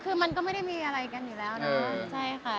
คือมันก็ไม่ได้มีอะไรกันอยู่แล้วเนอะใช่ค่ะ